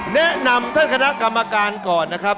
แนะนำท่านคณะกรรมการก่อนนะครับ